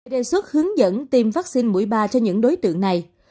đề xuất hướng dẫn tiêm vaccine mũi ba cho những đối tượng này